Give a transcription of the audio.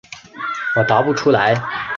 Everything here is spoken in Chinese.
我答不出来。